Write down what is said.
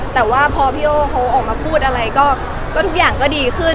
แต่ว่าพอพี่โอ้เขาออกมาพูดอะไรก็ทุกอย่างก็ดีขึ้น